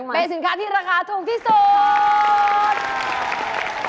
เป็นสินค้าที่ราคาถูกที่สุด